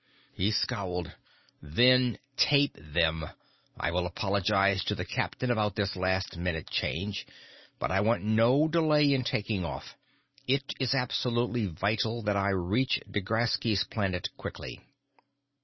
He scowled. "Then tape them! I will apologize to the captain about this last minute change, but I want no delay in take off. It is absolutely vital that I reach D'Graski's Planet quickly!"